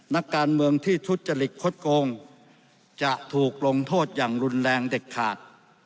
นักการเมืองที่ทุจริตคดโกงจะถูกลงโทษอย่างรุนแรงเด็ดขาด